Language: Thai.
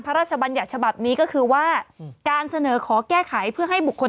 บัญญัติฉบับนี้ก็คือว่าการเสนอขอแก้ไขเพื่อให้บุคคล